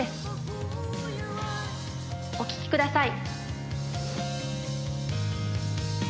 お聴きください。